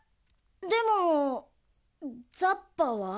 でもザッパは？